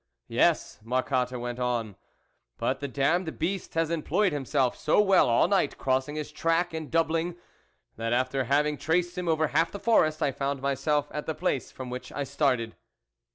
" Yes," Marcotte went on, " but the damned beast has employed himself so well all night crossing his track and doubling, that after having traced him over half the forest, I found myself at the place from which I started."